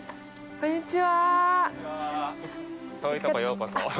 こんにちは。